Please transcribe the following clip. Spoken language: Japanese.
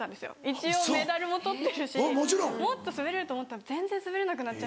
一応メダルも取ってるしもっと滑れると思ったら全然滑れなくなっちゃってて。